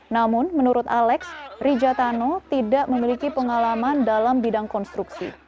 namun menurut alex rijatano tidak memiliki pengalaman dalam bidang konstruksi